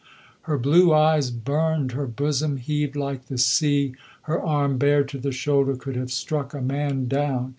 Her blue eyes burned, her bosom heaved like the sea; her arm bared to the shoulder could have struck a man down.